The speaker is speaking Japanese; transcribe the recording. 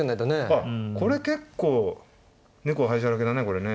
あっこれ結構「猫灰だらけ」だねこれね。